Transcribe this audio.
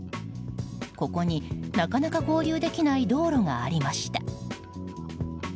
ここに、なかなか合流できない道路がありました。